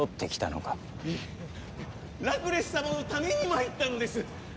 いえラクレス様のために参ったのです！